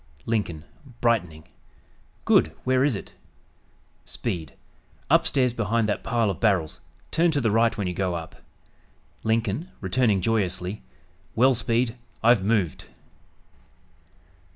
Lincoln (brightening) "Good, where is it?" Speed "Upstairs behind that pile of barrels turn to the right when you go up." Lincoln (returning joyously) "Well, Speed, I've moved!"